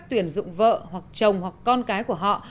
tuyển dụng vợ hoặc chồng hoặc con cái của họ